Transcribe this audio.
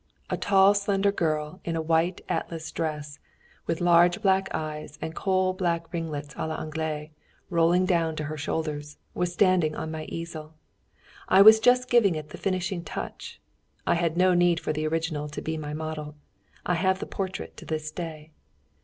A tall, slender girl in a white atlas dress, with large black eyes, and coal black ringlets à l'Anglaise rolling down to her shoulders, was standing on my easel; I was just giving it the finishing touch, I had no need for the original to be my model. I have the portrait to this day.